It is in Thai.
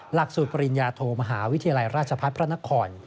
หลักสูตรปริญญาโทมหาวิทยาลัยราชพัฒน์พระนคร